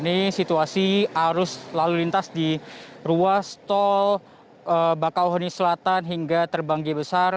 ini situasi arus lalu lintas di ruas tol bakauheni selatan hingga terbang g besar